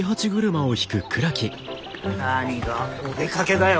なにがお出かけだよ？